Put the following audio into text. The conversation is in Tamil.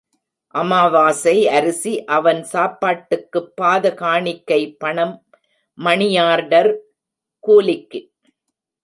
அமாவாசை அரிசி அவன் சாப்பாட்டுக்குப் பாத காணிக்கை பணம் மணியார்டர் கூலிக்கு.